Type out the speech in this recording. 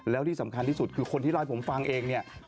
แล้วที่สำคัญที่สุดคือคนที่เล่าให้ผมฟังเองเนี่ย